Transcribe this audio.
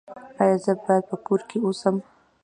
ایا زه باید په کور کې اوسم؟